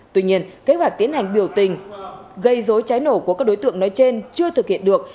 tuy nhiên kế hoạch tiến hành biểu tình gây dối cháy nổ của các đối tượng nói trên chưa thực hiện được